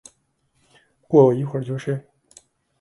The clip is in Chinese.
过一会就睡